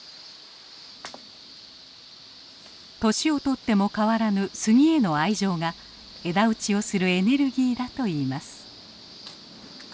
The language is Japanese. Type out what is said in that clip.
年を取っても変わらぬ杉への愛情が枝打ちをするエネルギーだといいます。